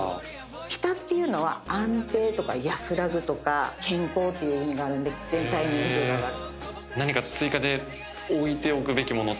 北っていうのは安定とか安らぐとか健康っていう意味があるんで全体の運勢が上がる。